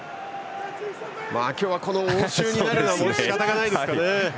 今日は、この応酬になるのも仕方ないですね。